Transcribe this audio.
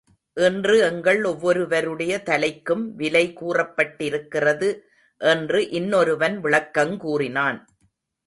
இன்று எங்கள் ஒவ்வொருவருடைய தலைக்கும் விலை கூறப்பட்டிருக்கிறது என்று இன்னொருவன் விளக்கங் கூறினான்.